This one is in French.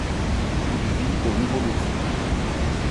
Il vit au Nouveau-Mexique.